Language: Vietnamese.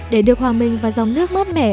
để được hoàng minh và dòng nước mát mẻ